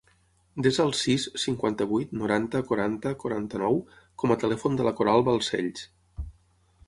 Desa el sis, cinquanta-vuit, noranta, quaranta, quaranta-nou com a telèfon de la Coral Balsells.